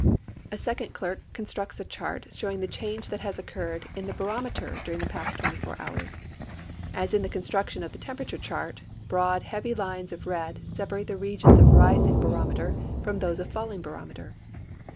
A second clerk constructs a chart showing the change that has occurred in the barometer during the past 24 hours. As in the construction of the temperature chart, broad, heavy lines of red separate the regions of rising barometer from those of falling barometer.